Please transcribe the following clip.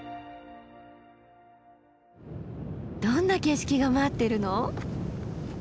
どんな景色が待ってるの？